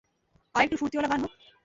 আরেকটু ফুর্তিওয়ালা গান হোক।